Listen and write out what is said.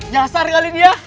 jasar kali dia